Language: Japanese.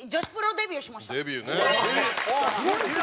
デビューね！